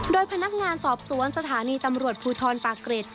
โดยพนักงานสอบสวนสถานีตำรวจภูทรปากเกร็ด